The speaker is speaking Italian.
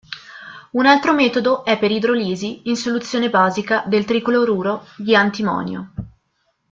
Un altro metodo è per idrolisi in soluzione basica del tricloruro di antimonio.